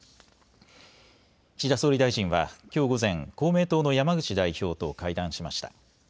岸田総理大臣はきょう午前、公明党の山口代表と会談しました。